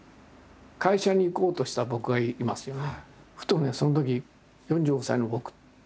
会社に行こうとした僕がいますよね。